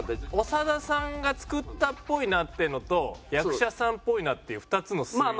長田さんが作ったっぽいなっていうのと役者さんっぽいなっていう２つの推理。